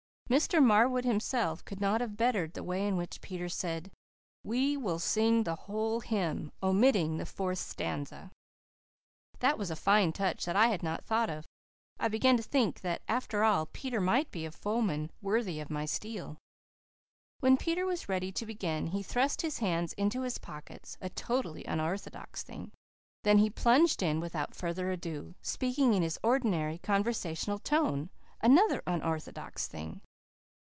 Mr. Marwood himself could not have bettered the way in which Peter said, "We will sing the whole hymn, omitting the fourth stanza." That was a fine touch which I had not thought of. I began to think that, after all, Peter might be a foeman worthy of my steel. When Peter was ready to begin he thrust his hands into his pockets a totally unorthodox thing. Then he plunged in without further ado, speaking in his ordinary conversational tone another unorthodox thing.